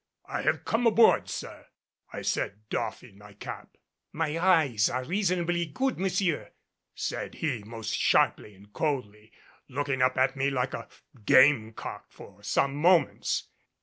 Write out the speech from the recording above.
"I have come aboard, sir," I said, doffing my cap. "My eyes are reasonably good, monsieur," said he most sharply and coldly, looking up at me like a game cock for some moments.